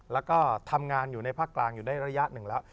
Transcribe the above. แล้วก็ทำงานอยู่ในภาคกลางอยู่ได้ระยะหนึ่งแล้ว